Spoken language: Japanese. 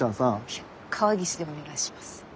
いや川岸でお願いします。